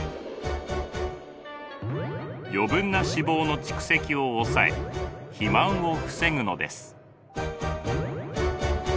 余分な脂肪の蓄積を抑え肥満を防ぐのです。